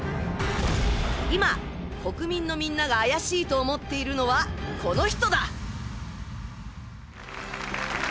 今、国民のみんなが怪しいと思っているのはこの人だ。